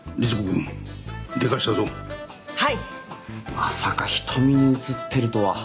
まさか瞳に映ってるとは。